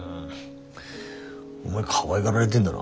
お前かわいがられでんだな。